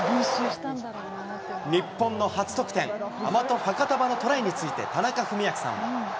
日本の初得点、アマト・ファカタヴァのトライについて、田中史朗さんは。